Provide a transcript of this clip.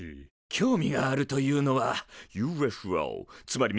興味があるというのはＵＦＯつまり未確認飛行物体？